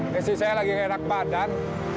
nanti saya lagi kerenak badan